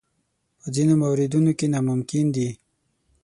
په ځینو موردونو کې ناممکن دي.